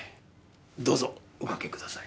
どうぞおかけください。